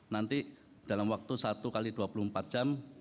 nanti dalam waktu satu x dua puluh empat jam